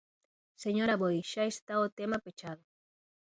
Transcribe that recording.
¡Señor Aboi, xa está o tema pechado!